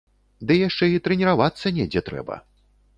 Ды яшчэ і трэніравацца недзе трэба!